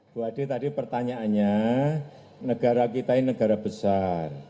bu ade tadi pertanyaannya negara kita ini negara besar